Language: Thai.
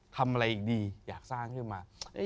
ทำอะไรอยากสร้างขึ้นมา